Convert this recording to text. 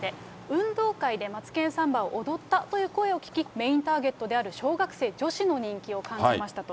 運動会でマツケンサンバを踊ったという声を聞き、メインターゲットである小学生女子の人気を感じましたと。